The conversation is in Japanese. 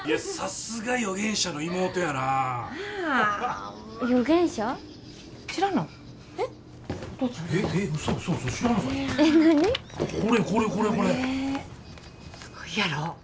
すごいやろ？